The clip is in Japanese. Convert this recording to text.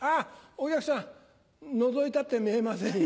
お客さんのぞいたって見えませんよ。